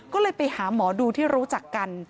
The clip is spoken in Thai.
ก็เลยไปหาหมอดูที่รู้จักกัน